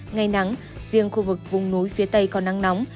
ngày nắng riêng khu vực vùng núi phía tây có nắng nóng